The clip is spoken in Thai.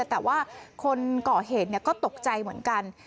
แต่ว่าคนก่อเหตุก็ตกใจเหมือนกัน